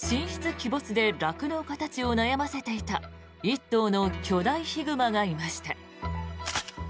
鬼没で酪農家たちを悩ませていた１頭の巨大ヒグマがいました。